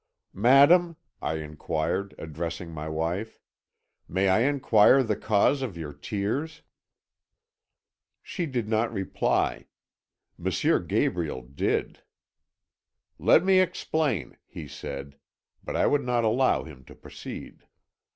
"'Madam,' I inquired, addressing my wife, 'may I inquire the cause of your tears?' "She did not reply; M. Gabriel did. 'Let me explain,' he said, but I would not allow him to proceed.